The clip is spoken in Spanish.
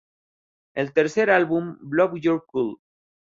El tercer álbum, "Blow Your Cool!